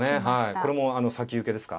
これも先受けですか。